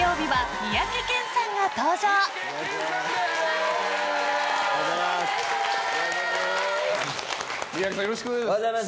三宅さん、よろしくお願いします。